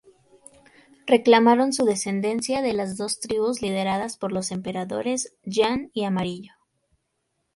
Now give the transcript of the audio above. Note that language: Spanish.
Reclamaron su descendencia de las dos tribus lideradas por los Emperadores Yan y Amarillo.